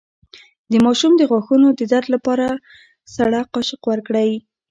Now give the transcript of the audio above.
د ماشوم د غاښونو د درد لپاره سړه قاشق ورکړئ